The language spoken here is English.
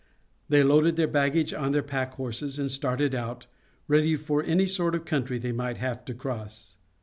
They loaded their baggage on their packhorses, and started out, ready for any sort of country they might have to cross.